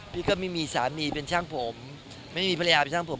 พี่ก็ไม่มีสามีเป็นช่างผมไม่มีภรรยาเป็นช่างผม